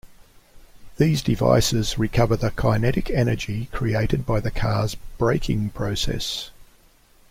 These devices recover the kinetic energy created by the car's braking process.